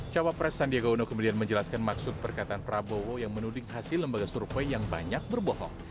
cawa pres sandiaga uno kemudian menjelaskan maksud perkataan prabowo yang menuding hasil lembaga survei yang banyak berbohong